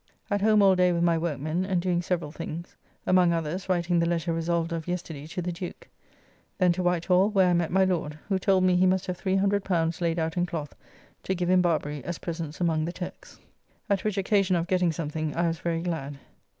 At home all day with my workmen, and doing several things, among others writing the letter resolved of yesterday to the Duke. Then to White Hall, where I met my Lord, who told me he must have L300 laid out in cloth, to give in Barbary, as presents among the Turks. At which occasion of getting something I was very glad.